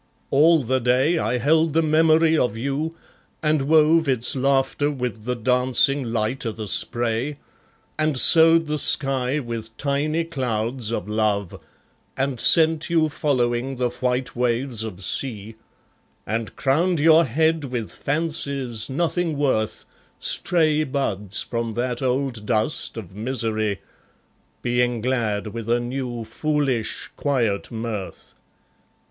All the day I held the memory of you, and wove Its laughter with the dancing light o' the spray, And sowed the sky with tiny clouds of love, And sent you following the white waves of sea, And crowned your head with fancies, nothing worth, Stray buds from that old dust of misery, Being glad with a new foolish quiet mirth.